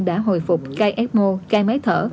đã hồi phục cai fmo cai máy thở